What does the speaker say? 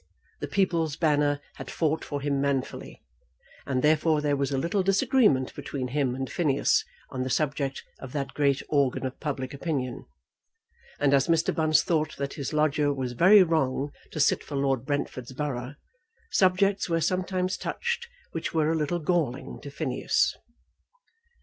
The People's Banner had fought for him manfully, and therefore there was a little disagreement between him and Phineas on the subject of that great organ of public opinion. And as Mr. Bunce thought that his lodger was very wrong to sit for Lord Brentford's borough, subjects were sometimes touched which were a little galling to Phineas.